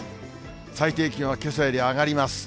最低気温はけさより上がります。